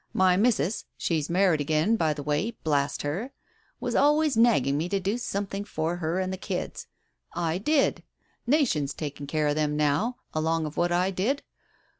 My missus — she's married again, by the way, blast her !— was always nag ging me to do something for her and the kids. I did. Nation's taking care of them now, along of what I did.